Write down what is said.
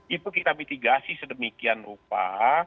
itu kita mitigasi sedemikian rupa